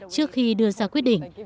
trước khi đưa ra quyết định